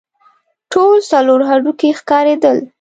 ټول څلور هډوکي ښکارېدل.